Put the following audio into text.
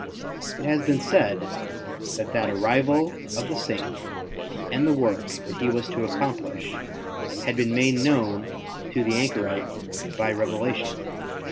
It has been said that that arrival of the Saint and the work that he was to accomplish had been made known to the anchorite by revelation.